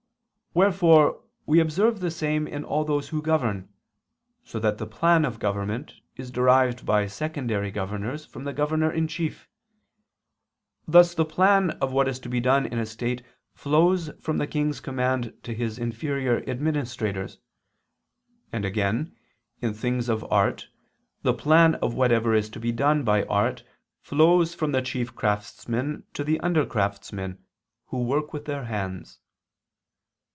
Wherefore we observe the same in all those who govern, so that the plan of government is derived by secondary governors from the governor in chief; thus the plan of what is to be done in a state flows from the king's command to his inferior administrators: and again in things of art the plan of whatever is to be done by art flows from the chief craftsman to the under craftsmen, who work with their hands.